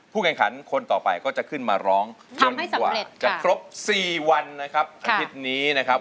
ผู้กันขันคนต่อไปก็จะขึ้นมาร้องทำให้สำเร็จจนกว่าจะครบสี่วันนะครับอาทิตย์นี้นะครับ